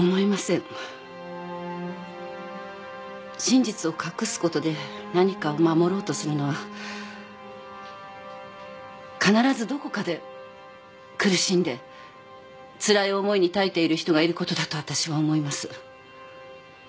真実を隠すことで何かを守ろうとするのは必ずどこかで苦しんでつらい思いに耐えている人がいることだと私は思います。